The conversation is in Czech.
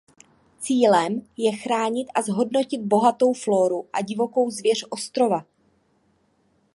Cílem je chránit a zhodnotit bohatou flóru a divokou zvěř ostrova.